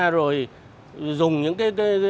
rồi dùng những cái